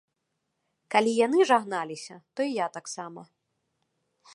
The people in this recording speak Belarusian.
Калі яны жагналіся, то і я таксама.